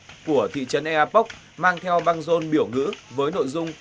buôn ea mấp của thị trấn ea poc mang theo băng rôn biểu ngữ với nội dung